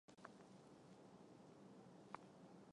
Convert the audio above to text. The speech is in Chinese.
有些家族性高醛固酮症可用地塞米松进行治疗。